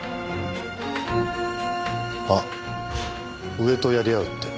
上とやり合うって。